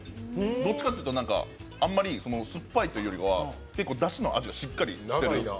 どっちかというと、あんまり酸っぱいというよりは結構だしの味がしっかりしてる。